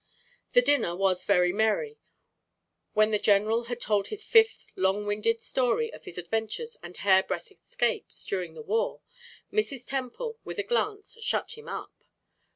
The dinner was very merry. When the general had told his fifth long winded story of his adventures and hair breadth escapes during the war, Mrs. Temple, with a glance, shut him up.